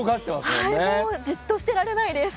もうじっとしてられないです。